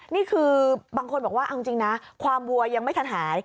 นี่คือบางคนบอกว่าเอาจริงนะความวัวยังไม่ทันหาย